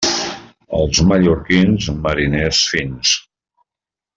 Els mallorquins, mariners fins.